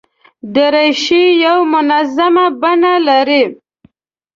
دریشي یو منظمه بڼه لري.